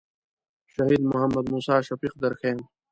شهید محمد موسی شفیق در ښیم.